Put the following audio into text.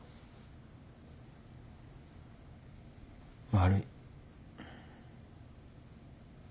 悪い。